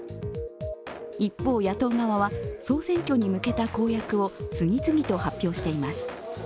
一方、野党側は、総選挙に向けた公約を次々と発表しています。